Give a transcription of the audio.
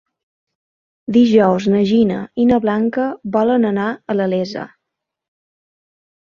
Dijous na Gina i na Blanca volen anar a la Iessa.